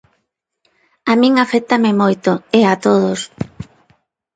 A min aféctame moito, e a todos.